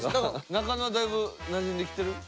中野はだいぶなじんでる？